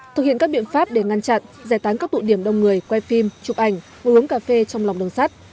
thực hiện các biện pháp để ngăn chặn giải tán các tụ điểm đông người quay phim chụp ảnh ngồi uống cà phê trong lòng đường sắt